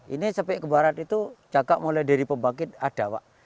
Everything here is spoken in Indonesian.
ini sepi kebarat itu jaga mulai dari pembangkit ada pak